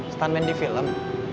stunman di film